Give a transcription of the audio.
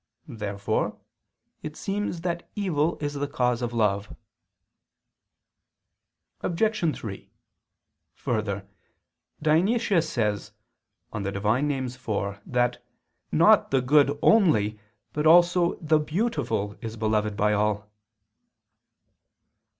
Therefore it seems that evil is the cause of love. Obj. 3: Further, Dionysius says (Div. Nom. iv) that not "the good" only but also "the beautiful is beloved by all."